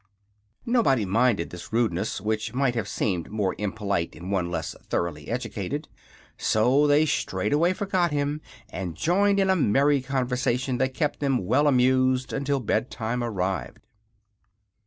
Nobody minded this rudeness, which might have seemed more impolite in one less thoroughly educated; so they straightway forgot him and joined in a merry conversation that kept them well amused until bed time arrived.